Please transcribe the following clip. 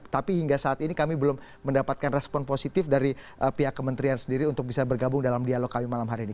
tapi hingga saat ini kami belum mendapatkan respon positif dari pihak kementerian sendiri untuk bisa bergabung dalam dialog kami malam hari ini